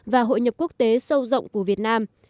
và hội nhập quốc tế sâu rộng của việt nam